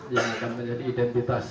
yang akan menjadi identitas